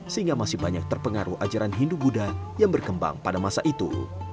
sehingga masih banyak terpengaruh ajaran hindu buddha yang berkembang pada masa itu